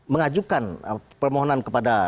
mengajukan permohonan kepada